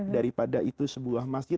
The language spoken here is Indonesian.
daripada itu sebuah masjid